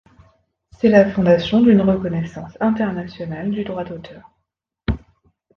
C'est la fondation d'une reconnaissance internationale du droit d'auteur.